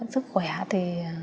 sức khỏe thì